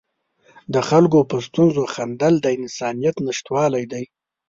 د خلکو په ستونزو خندل د انسانیت نشتوالی دی.